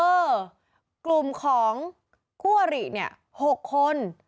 กลุ่มของคู่อริเนี่ย๖คน